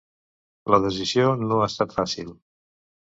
La decisió no ha estat fàcil.